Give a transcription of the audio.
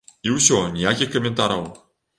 І ўсё, ніякіх каментараў.